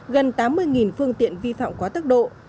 gần tám mươi phương tiện vi phạm quá tốc độ